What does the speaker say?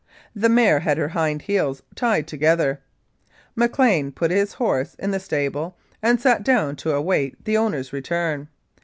The mare had her hind heels tied together. McLean put his horse in the stable and sat down to await the owner's return.